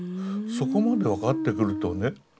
そこまで分かってくるとね